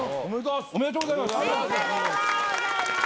おめでとうございます。